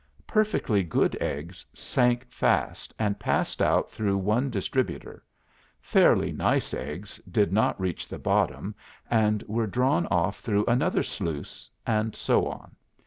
Perfectly good eggs sank fast and passed out through one distributor; fairly nice eggs did not reach the bottom, and were drawn off through another sluice, and so on.